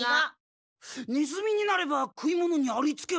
ネズミになれば食い物にありつけるってことか？